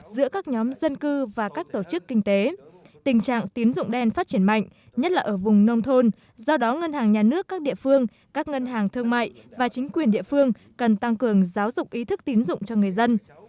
giữa các nhóm dân cư và các tổ chức kinh tế tình trạng tín dụng đen phát triển mạnh nhất là ở vùng nông thôn do đó ngân hàng nhà nước các địa phương các ngân hàng thương mại và chính quyền địa phương cần tăng cường giáo dục ý thức tín dụng cho người dân